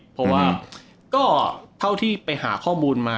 เพราะว่าก็เท่าที่ไปหาข้อมูลมา